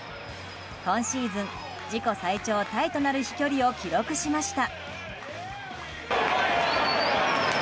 今シーズン自己最長タイとなる飛距離を記録しました。